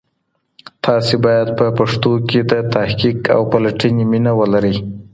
تاسي باید په پښتو کي د تحقیق او پلټنې مینه ولرئ